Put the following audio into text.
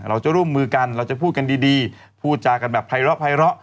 เราจะร่วมมือกันเราจะพูดกันดีพูดจากันแบบไพร้อภัยร้อ